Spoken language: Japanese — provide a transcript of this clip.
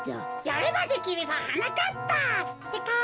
「やればできるぞはなかっぱ」ってか。